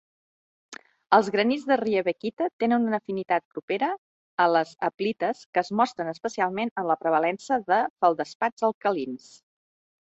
Els granits de riebeckita tenen una afinitat propera a les aplites, que es mostren especialment en la prevalença de feldespats alcalins.